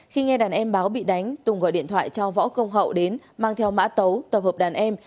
khi nghe đàn em báo bị đánh tùng gọi điện thoại cho võ công hậu đến mang theo mã tấu tập hợp đàn em